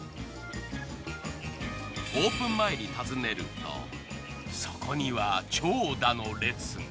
オープン前に訪ねるとそこには長蛇の列が。